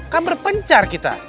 kan berpencar kita